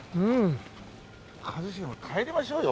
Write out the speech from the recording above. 一茂さん帰りましょうよ。